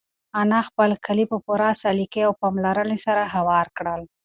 انا خپل کالي په پوره سلیقې او پاملرنې سره هوار کړل.